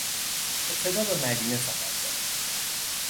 ابتدا به مدینه سفر کرد